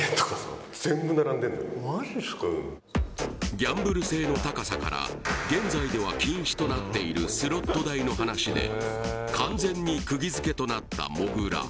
ギャンブル性の高さから現在では禁止となっているスロット台の話で完全に釘付けとなったもぐら